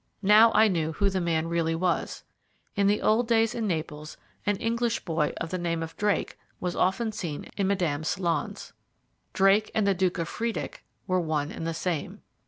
Now I knew who the man really was. In the old days in Naples, an English boy of the name of Drake was often seen in Madame's salons. Drake and the Duke of Friedeck were one and the same.